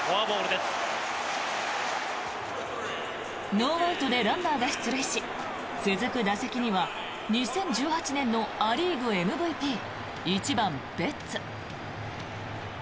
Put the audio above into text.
ノーアウトでランナーが出塁し続く打席には２０１８年のア・リーグＭＶＰ１番、ベッツ。